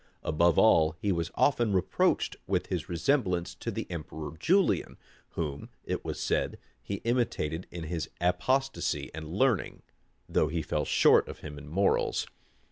Above all, he was often reproached with his resemblance to the emperor Julian, whom, it was said, he imitated in his apostasy and learning, though he fell short of him in morals.